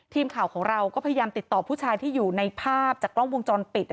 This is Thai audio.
ทีมข่าวของเราก็พยายามติดต่อผู้ชายที่อยู่ในภาพจากกล้องวงจรปิด